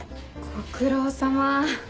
ご苦労さま。